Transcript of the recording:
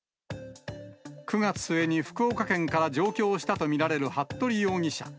９月末に福岡県から上京したと見られる服部容疑者。